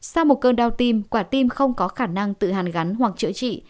sau một cơn đau tim quả tim không có khả năng tự hàn gắn hoặc chữa trị